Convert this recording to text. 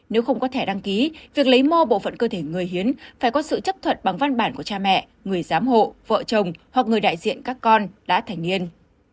nếu không có thẻ đăng ký việc lấy mô bộ phận cơ thể người hiến phải có sự chấp thuận bằng văn bản của cha mẹ người giám hộ vợ chồng hoặc người đại diện các con đã thành niên